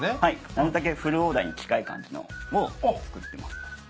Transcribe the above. なるだけフルオーダーに近い感じのを作ってます。